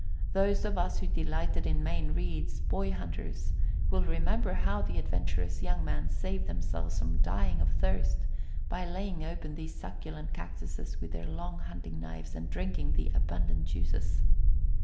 Those of us who delighted in Mayne Reid's "Boy Hunters" will remember how the adventurous young men saved themselves from dying of thirst by laying open these succulent cactuses with their long hunting knives and drinking the abundant juices.